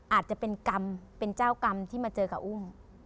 อาจจะเป็นกรรมเป็นเจ้ากรรมที่มาเจอกับอุ้ม